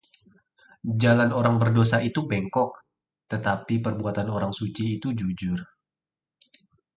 Jalan orang berdosa itu bengkok, tetapi perbuatan orang suci itu jujur.